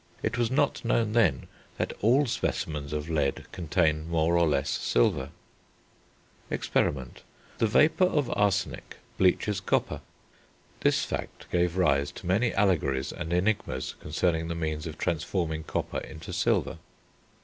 It was not known then that all specimens of lead contain more or less silver. [Illustration: FIG. X. See p. 92.] Experiment. The vapour of arsenic bleaches copper. This fact gave rise to many allegories and enigmas concerning the means of transforming copper into silver.